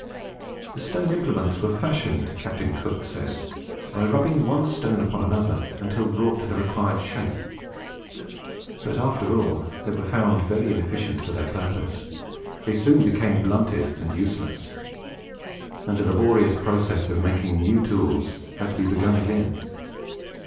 The stone implements were fashioned, Captain Cook says, by rubbing one stone upon another until brought to the required shape; but, after all, they were found very inefficient for their purpose. They soon became blunted and useless; and the laborious process of making new tools had to be begun again.